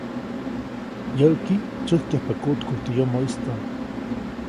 Yäʼki, tsyäjkyajpa kuʼtkuʼy teʼ yomoʼistaʼm.